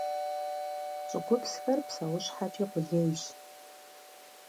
ЩӀыгупсхэр псэущхьэкӀи къулейщ.